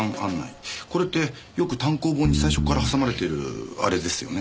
これってよく単行本に最初からはさまれてるアレですよね。